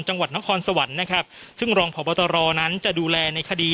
จังหวัดนครสวรรค์นะครับซึ่งรองพบตรนั้นจะดูแลในคดี